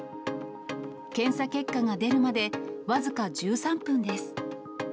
検査結果が出るまで、僅か１３分です。